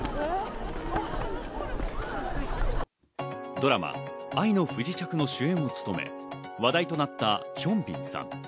ドラマ『愛の不時着』の主演を務め、話題となったヒョンビンさん。